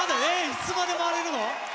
いつまで回れるの？